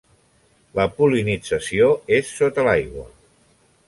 La pol·linització és sota l'aigua.